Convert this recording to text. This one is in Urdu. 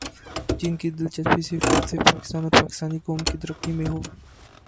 جن کی دلچسپی صرف اور صرف پاکستان اور پاکستانی قوم کی ترقی میں ہو ۔